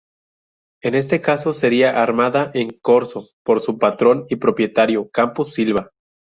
En este caso, sería armada en corso por su patrón y propietario, Campos Silva.